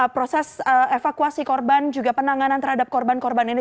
proses evakuasi korban juga penanganan terhadap korban korban ini